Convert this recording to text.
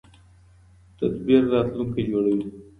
تدبیر راتلونکی جوړوي